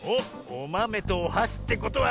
おまめとおはしってことは。